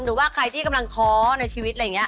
หรือใครที่กำลังท้อในชีวิต